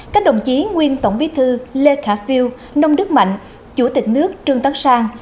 các đồng chí nguyên tổng bí thư lê khả phiêu nông đức mạnh chủ tịch nước trương tấn sang